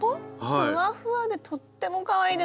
フワフワでとってもかわいいですね。